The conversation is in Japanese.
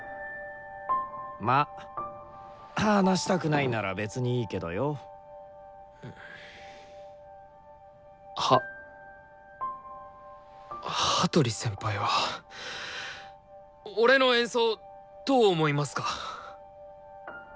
まあ話したくないなら別にいいけどよ。は羽鳥先輩は俺の演奏どう思いますか？